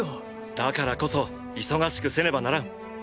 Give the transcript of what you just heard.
だからこそ忙しくせねばならん。